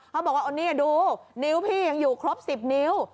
เขาบอกว่าเอานี่ดูนิ้วพี่ยังอยู่ครบ๑๐นิ้ว